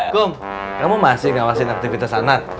kum kamu masih ngawasin aktivitas anak